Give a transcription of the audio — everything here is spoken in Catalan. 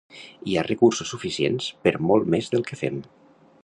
Hi ha recursos suficients per molt més del que fem.